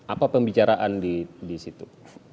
apa pembicaraan disitu